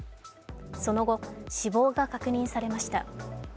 その後、死亡が確認されました。